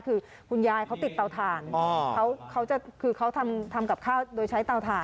คือคุณยายเขาติดเตาถ่านเขาจะคือเขาทำกับข้าวโดยใช้เตาถ่าน